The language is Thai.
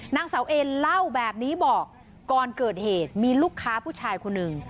นางเสาเอ็นเล่าแบบนี้บอกก่อนเกิดเหตุมีลูกค้าผู้ชายคนหนึ่ง